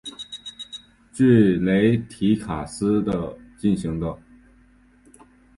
据雷提卡斯进行的。